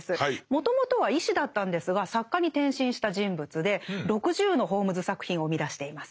もともとは医師だったんですが作家に転身した人物で６０のホームズ作品を生み出しています。